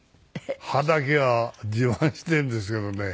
歯だけは自慢しているんですけどね。